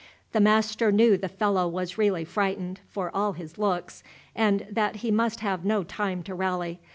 The master knew the fellow was really frightened, for all his looks, and that he must have no time to rally.